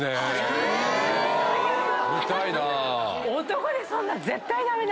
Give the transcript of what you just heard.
男でそんなん絶対駄目。